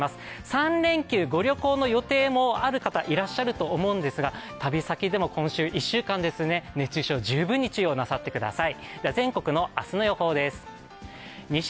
３連休、ご旅行の予定のある方いらっしゃると思いますが、旅先、今週１週間、熱中症に十分ご注意をなさってください。